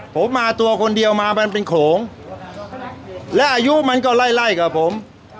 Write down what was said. ผมมาตัวคนเดียวมามันเป็นโขลงและอายุมันก็ไล่ไล่กับผม